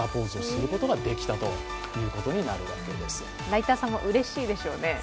ライターさんもうれしいでしょうね。